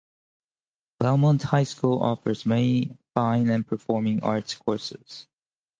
Belmont High School offers many fine and performing arts courses.